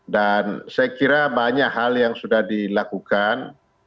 dan saya kira banyak hal yang sudah dilakukan